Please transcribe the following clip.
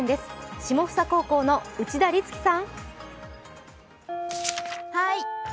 下総高校の内田梨月さん。